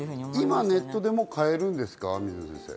今、ネットでも買えるんですか？